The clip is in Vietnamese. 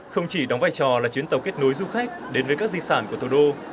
không chỉ đóng vai trò là chuyến tàu kết nối du khách đến với các di sản của thủ đô